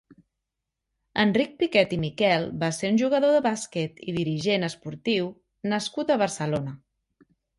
Enric Piquet i Miquel va ser un jugador de bàsquet i dirigent esportiu nascut a Barcelona.